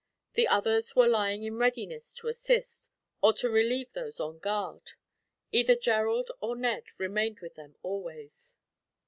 The others were lying in readiness to assist, or to relieve those on guard. Either Gerald or Ned remained with them, always.